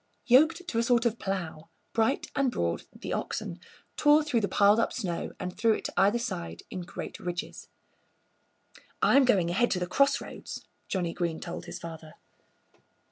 Yoked to a sort of plough, Bright and Broad, the oxen, tore through the piled up snow and threw it to either side in great ridges. "I'm going ahead to the crossroads," Johnnie Green told his father.